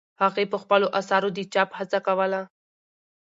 هغې په خپلو اثارو د چاپ هڅه کوله.